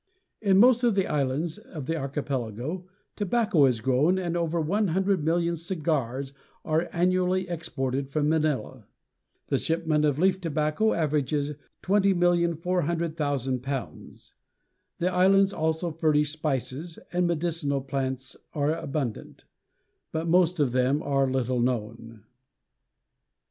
In most of the islands of the archipelago tobacco is grown and over one hundred million cigars are annually exported from Manila. The shipment of leaf tobacco averages about 20,400,000 pounds. The islands also furnish spices and medicinal plants are abundant, but most of them are little known.